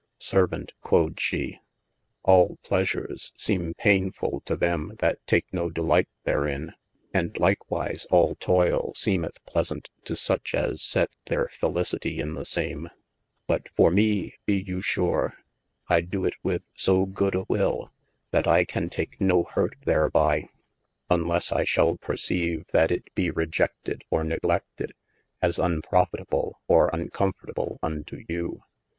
Servaunt (quod shee) all pleasures seeme painefull [to] them that take no delight therin, and lyke wise all toile seemeth pleasaunt to such as set their felicitie in the same : but for me bee you sure, I doe it with so good a wyll that I can take no hurt thereby, unlesse I shall perceyve that it be rejected or negle£ted, as unprofitable or uncomfortable unto you.